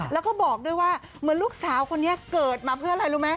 แล้วก็บอกด้วยว่าเหมือนลูกสาวคนนี้เกิดมาเพื่ออะไรรู้ไหม